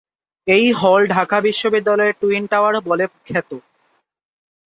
এই হল ঢাকা বিশ্ববিদ্যালয়ের টুইন-টাওয়ার বলে খ্যাত।